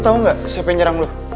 lo tau gak siapa yang nyerang lo